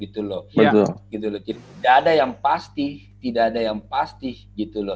tidak ada yang pasti